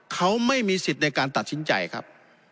เขาไม่มีสิทธิ์ในการตัดสินใจครับ